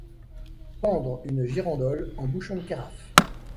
Pendre une girandole en bouchons de carafe